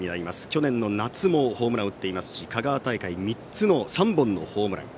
去年の夏もホームランを打っていますし香川大会、３本のホームラン。